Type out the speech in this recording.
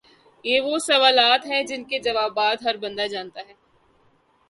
یہ وہ سوالات ہیں جن کے جوابات ہر بندہ جانتا ہے